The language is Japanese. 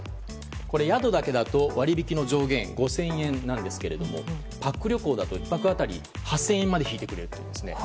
これ、宿だけだと割引の上限５０００円なんですけどパック旅行だと１泊当たり８０００円まで引いてくれるんですね。